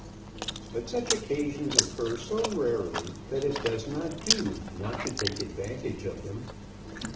But such occasions occur so rarely that it does not do not to take advantage of them.